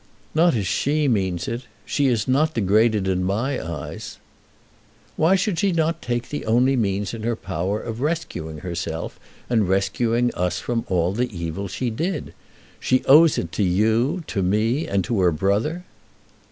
"Not as she means it. She is not degraded in my eyes." "Why should she not take the only means in her power of rescuing herself and rescuing us all from the evil that she did? She owes it to you, to me, and to her brother."